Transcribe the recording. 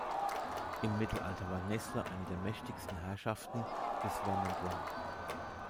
Im Mittelalter war Nesle eine der mächtigsten Herrschaften des Vermandois.